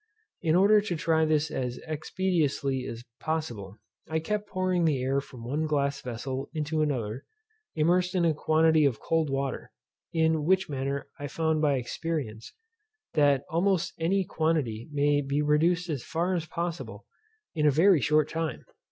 In order to try this as expeditiously as possible, I kept pouring the air from one glass vessel into another, immersed in a quantity of cold water, in which manner I found by experience, that almost any quantity may be reduced as far as possible in a very short time.